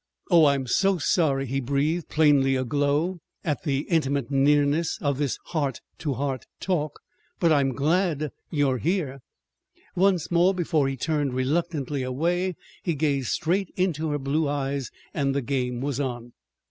"Oh, I'm so sorry!" he breathed, plainly aglow at the intimate nearness of this heart to heart talk. "But I'm glad you're here!" Once more, before he turned reluctantly away, he gazed straight into her blue eyes and the game was on.